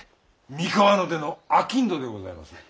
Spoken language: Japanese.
三河の出のあきんどでございまする。